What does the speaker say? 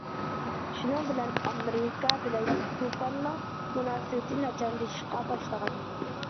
شۇنىڭ بىلەن ئامېرىكا بىلەن كۇبانىڭ مۇناسىۋىتى ناچارلىشىشقا باشلىغان.